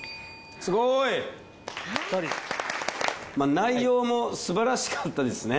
内容もすばらしかったですね。